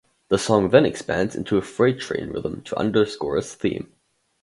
The song then expands into a "freight train" rhythm to underscore its theme.